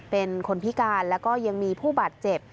เป็นคนพิการแล้วก็ยังมีผู้บาดเจ็บ